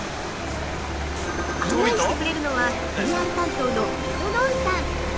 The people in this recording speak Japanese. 案内してくれるのは、ＰＲ担当の御園生さん。